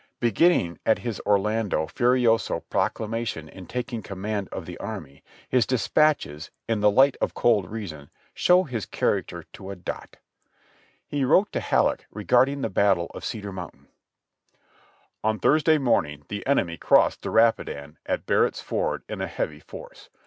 Beginning at his Orlando Fu rioso proclamation in taking command of the army, his dispatches, in the light of cold reason, show his character to a dot. He wrote to Halleck regarding the Battle of Cedar Mountain (Reb. Records, Vol. 12, p. 12 and 133) : "On Thursday morn ing the enemy crossed the Rapidan at Barnett's Ford in a heavy force.